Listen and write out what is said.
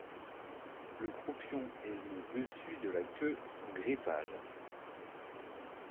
Le croupion et le dessus de la queue sont gris pâle.